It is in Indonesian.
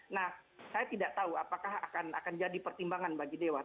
nah saya tidak tahu apakah akan jadi pertimbangan bagi dewas